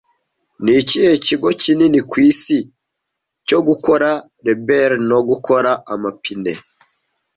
Ni ikihe kigo kinini ku isi cyogukora reberi nogukora amapine